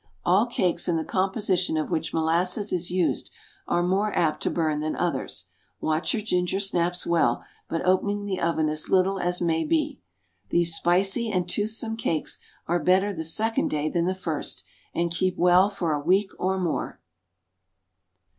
All cakes in the composition of which molasses is used, are more apt to burn than others. Watch your ginger snaps well, but opening the oven as little as may be. These spicy and toothsome cakes are better the second day than the first, and keep well for a week or more.